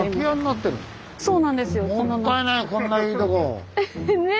そうなんですよ。ね！